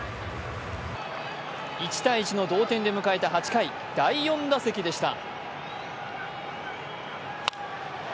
１−１の同点で迎えた８回第４打席でした。